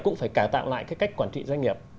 cũng phải cải tạo lại cái cách quản trị doanh nghiệp